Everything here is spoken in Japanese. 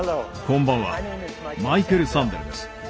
こんばんはマイケル・サンデルです。